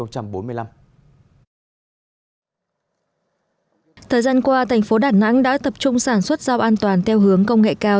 thời gian qua thành phố đà nẵng đã tập trung sản xuất rau an toàn theo hướng công nghệ cao